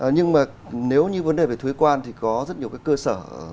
nhưng mà nếu như vấn đề về thuế quan thì có rất nhiều cái cơ sở văn hóa